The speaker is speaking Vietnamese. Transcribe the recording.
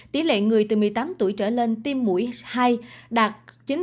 tỷ lệ người từ một mươi tám tuổi trở lên tiêm mũi hai đạt chín mươi sáu năm mươi hai